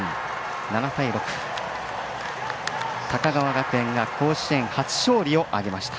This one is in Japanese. ７対６、高川学園が甲子園初勝利を挙げました。